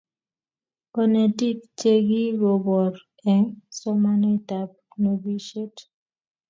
konetik chegigoboor eng somanetab nobishet